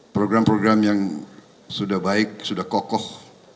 program program yang sudah baik sudah kokoh